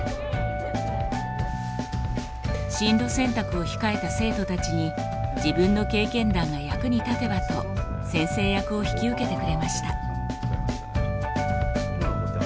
進路選択を控えた生徒たちに自分の経験談が役に立てばと先生役を引き受けてくれました。